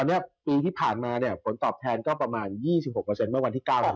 วันนี้ปีที่ผ่านมาผลตอบแพลนก็ประมาณ๒๖มาวันที่๙ธันวาค